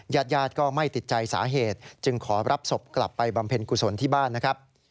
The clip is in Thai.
ญาติญาติก็ไม่ติดใจสาเหตุจึงขอรับศพกลับไปบำเพ็ญกุศลที่บ้านนะครับ